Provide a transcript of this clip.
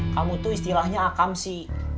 kamu tuh istilahnya akam sih